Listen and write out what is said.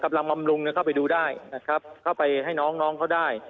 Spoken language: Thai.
กำลังมำลุงเนี่ยเข้าไปดูได้นะครับเข้าไปให้น้องน้องเขาได้